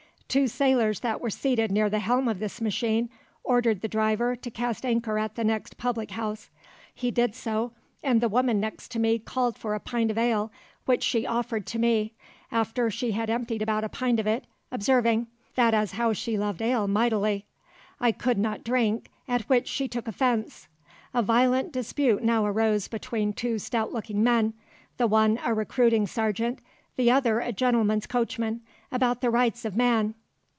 Two sailors that were seated near the helm of this machine, ordered the driver to cast anchor at the next public house. He did so and the woman next to me called for a pint of ale which she offered to me, after she had emptied about a pint of it, observing, 'that as how she loved ale mightily.' I could not drink, at which she took offence.... A violent dispute now arose between two stout looking men, the one a recruiting sergeant, the other a gentleman's coachman, about the Rights of Man....